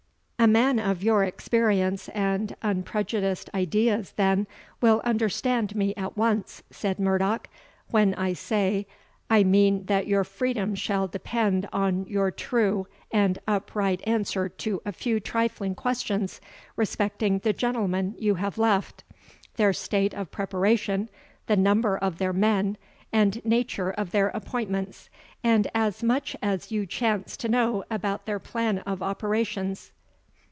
"A man of your experience and unprejudiced ideas, then, will understand me at once," said Murdoch, "when I say, I mean that your freedom shall depend on your true and up right answer to a few trifling questions respecting the gentlemen you have left; their state of preparation; the number of their men, and nature of their appointments; and as much as you chance to know about their plan of operations."